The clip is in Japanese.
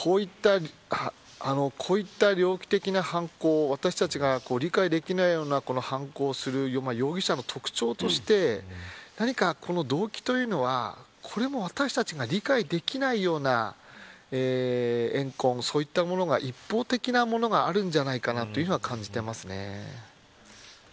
こういった猟奇的な犯行私たちが理解できないような犯行をする容疑者の特徴として何か、動機というのはこれも私たちが理解できないような怨恨、そういったものが一方的なものがあるんじゃないかと感じています。